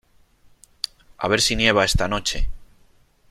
A ver si nieva esta noche.